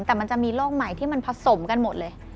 แต่มันจะมีโรคใหม่ที่มันผสมกันหมดเลย